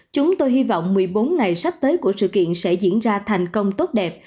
chúng tôi hy vọng một mươi bốn ngày sắp tới của sự kiện sẽ diễn ra thành công tốt đẹp